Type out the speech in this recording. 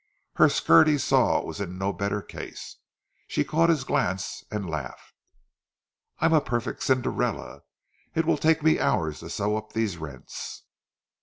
Her skirt he saw was in no better case. She caught his glance and laughed. "I'm a perfect Cinderella! It will take me hours to sew up these rents."